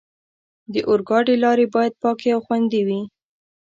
د اورګاډي لارې باید پاکې او خوندي وي.